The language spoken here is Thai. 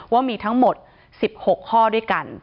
ว่ามีทั้งหมด๑๖ข้อด้วยกัน